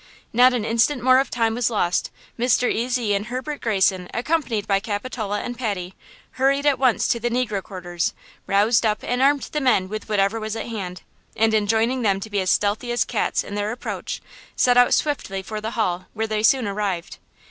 Not an instant more of time was lost. Mr. Ezy and Herbert Greyson, accompanied by Capitola and Patty, hurried at once to the negro quarters, roused up and armed the men with whatever was at hand, and, enjoining them to be as stealthy as cats in their approach, set out swiftly for the Hall, where they soon arrived.